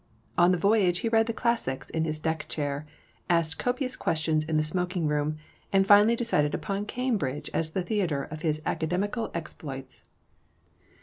On the voyage he read the classics in his deck chair, asked copious questions in the smoking room, and finally decided upon Cambridge as the theatre of his academical exploits.